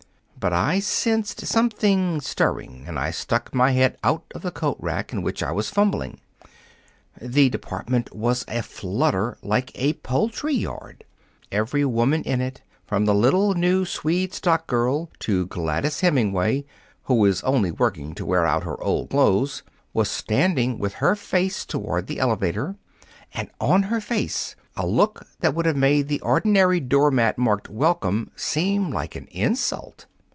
But I sensed something stirring, and I stuck my head out of the coat rack in which I was fumbling. The department was aflutter like a poultry yard. Every woman in it, from the little new Swede stock girl to Gladys Hemingway, who is only working to wear out her old clothes, was standing with her face toward the elevator, and on her face a look that would make the ordinary door mat marked 'Welcome' seem like an insult.